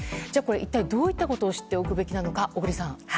一体どういったことを知っておくべきなのか、小栗さん。